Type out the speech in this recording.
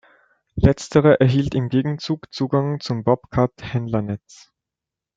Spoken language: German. Letztere erhielt im Gegenzug Zugang zum Bobcat-Händlernetz.